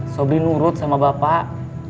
sobri nurut sama bapak